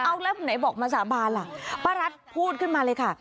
เอาแล้วไหนบอกมาสาบานล่ะป้ารัฐพูดขึ้นมาเลยค่ะ